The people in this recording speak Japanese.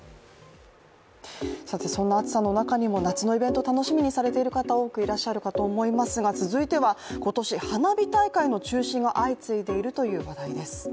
そんな暑さの中にも夏のイベント楽しみにされている方多くいらっしゃると思いますが続いては、今年、花火大会の中止が相次いでいるという話題です。